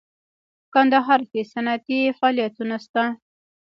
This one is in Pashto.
په کندهار کې صنعتي فعالیتونه شته